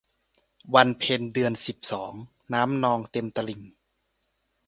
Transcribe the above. วันเพ็ญเดือนสิบสอง น้ำนองเต็มตลิ่ง